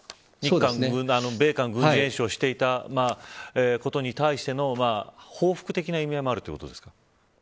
米韓軍事演習をしていたことに対しての報復的な意味合いもあるということですか。